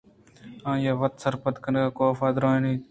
آئیءَ وت سرپد کناںکافءَ درّائینت